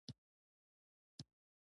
کوتره ډېر ځله پر بامونو لیدل کېږي.